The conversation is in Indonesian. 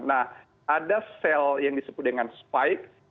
nah ada sel yang disebut dengan spike envelop membran dan nukleoplasid